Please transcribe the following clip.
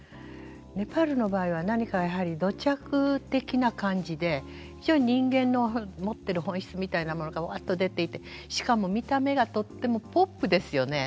ネパールの場合は何かやはり土着的な感じで非常に人間の持ってる本質みたいなものがわっと出ていてしかも見た目がとってもポップですよね。